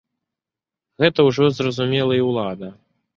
Гэта ўжо зразумела і ўлада.